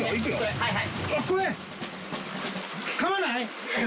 はいはい。